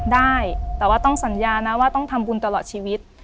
ได้แต่ว่าต้องสัญญานะว่าต้องทำบุญตลอดชีวิต